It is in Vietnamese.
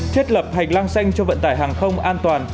thiết lập hành lang xanh cho vận tải hàng không an toàn